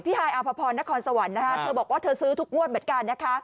ฮายอภพรนครสวรรค์นะคะเธอบอกว่าเธอซื้อทุกงวดเหมือนกันนะคะ